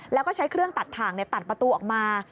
แล้วก็ใช้เครื่องตัดถ่างตัดประตูออกมา